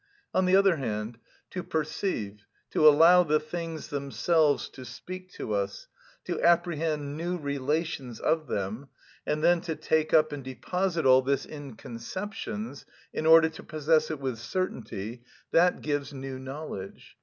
On the other hand, to perceive, to allow the things themselves to speak to us, to apprehend new relations of them, and then to take up and deposit all this in conceptions, in order to possess it with certainty—that gives new knowledge.